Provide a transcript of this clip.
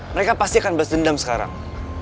mereka pasti akan bales dendam sekarang